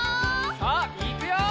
さあいくよ！